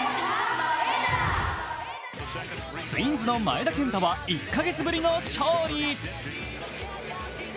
ツインズの前田健太は１か月ぶりの勝利。